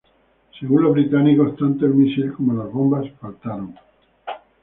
Según los británicos tanto el misil como las bombas fallaron.